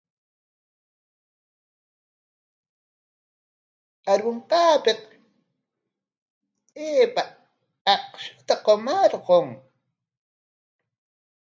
Arunqaapik aypa akshuta qumarqun.